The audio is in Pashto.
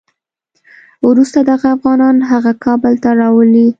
وروسته دغه افغانان هغه کابل ته راولي.